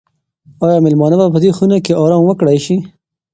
آیا مېلمانه به په دې خونه کې ارام وکړای شي؟